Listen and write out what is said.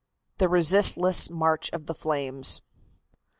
THE RESISTLESS MARCH OF THE FLAMES.